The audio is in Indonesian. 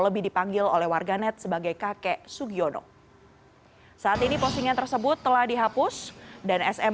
jadi dipanggil oleh warganet sebagai kakek sugyono saat ini postingnya tersebut telah dihapus dan sm